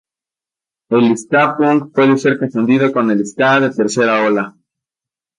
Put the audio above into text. El ska-punk puede ser confundido con el ska de tercera ola.